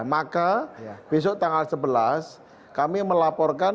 maka besok tanggal sebelas kami melaporkan